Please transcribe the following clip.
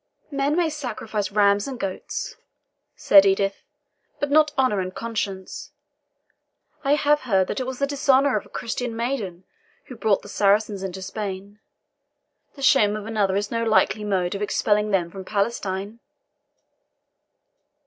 "Men may sacrifice rams and goats," said Edith, "but not honour and conscience. I have heard that it was the dishonour of a Christian maiden which brought the Saracens into Spain; the shame of another is no likely mode of expelling them from Palestine."